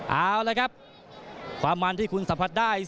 เอาละครับความมันที่คุณสัมผัสได้